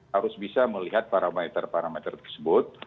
harus bisa melihat parameter parameter tersebut